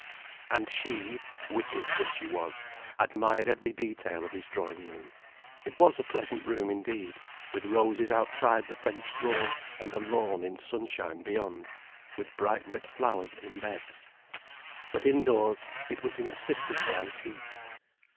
And she, wicked that she was, admired every detail of his drawing room. It was a pleasant room indeed, with roses outside the French door, and a lawn in sunshine beyond, with bright red flowers in beds. But indoors, it was insistently antique.